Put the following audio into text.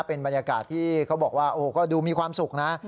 เป็นบรรยากาศที่เขาบอกว่าโอ้ก็ดูมีความสุขนะ